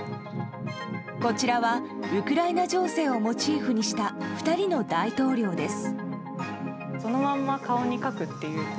こちらはウクライナ情勢をモチーフにした２人の大統領です。